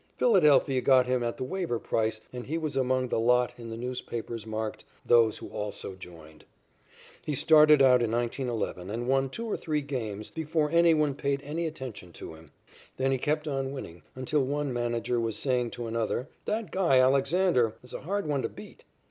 Philadelphia got him at the waiver price and he was among the lot in the newspapers marked "Those who also joined." He started out in 1911 and won two or three games before anyone paid any attention to him. Then he kept on winning until one manager was saying to another: "That guy, Alexander, is a hard one to beat."